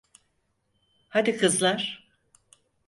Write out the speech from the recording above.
Hadi kızlar.